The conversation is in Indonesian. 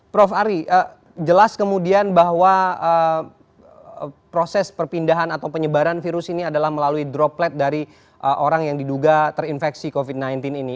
prof ari jelas kemudian bahwa proses perpindahan atau penyebaran virus ini adalah melalui droplet dari orang yang diduga terinfeksi covid sembilan belas ini